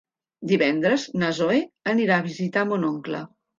Divendres na Zoè anirà a visitar mon oncle.